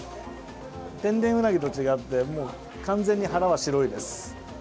天然うなぎと違って完全に腹は白いです。